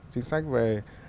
chính sách về